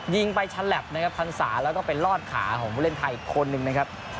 ยิงไปชันแหลปนะครับพรรษาแล้วก็เป็นรอดขาของผู้เล่นไทยคนหนึ่งนะครับ